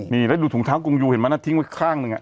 นี่แล้วดูถุงเท้ากงยูเห็นมั้ยทิ้งไว้ข้างนึงอ่า